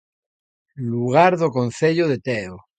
Lugar do Concello de Teo